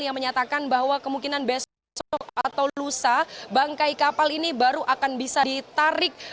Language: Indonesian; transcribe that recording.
yang menyatakan bahwa kemungkinan besok atau lusa bangkai kapal ini baru akan bisa ditarik